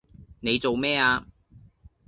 你做咩呀？